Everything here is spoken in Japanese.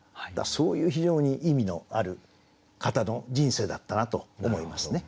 そういう非常に意味のある方の人生だったなと思いますね。